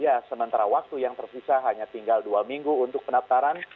ya sementara waktu yang tersisa hanya tinggal dua minggu untuk pendaftaran